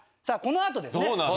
さあこのあとですね。